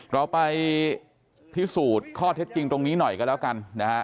เราไปพิสูจน์ข้อเท็จจริงตรงนี้หน่อยกันแล้วกันนะฮะ